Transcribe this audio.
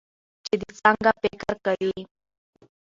چې د څنګه فکر کوي